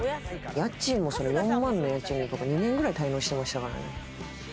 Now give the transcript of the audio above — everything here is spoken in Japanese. ４万の家賃とか２年くらい滞納してましたからね。